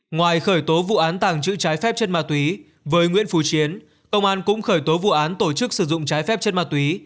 ngoài khởi tố vụ án tàng trữ trái phép chân mạc túy với nguyễn phú chiến công an cũng khởi tố vụ án tổ chức sử dụng trái phép chân mạc túy